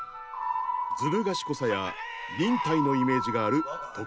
ずる賢さや忍耐のイメージがある徳川家康。